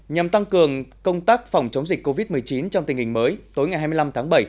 nhằm tăng cường công tác phòng chống dịch covid một mươi chín trong tình hình mới tối ngày hai mươi năm tháng bảy